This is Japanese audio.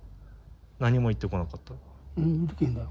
何も言ってこなかった？